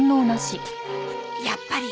やっぱり。